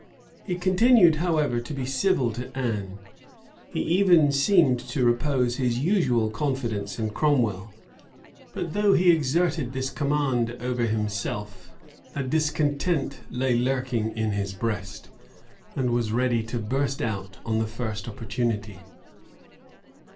He continued, however, to be civil to Anne; he even seemed to repose his usual confidence in Cromwell; but though he exerted this command over himself, a discontent lay lurking in his breast, and was ready to burst out on the first opportunity.